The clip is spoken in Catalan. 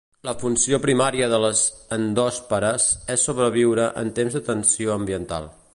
La funció primària de les endòspores és sobreviure en temps de tensió ambiental.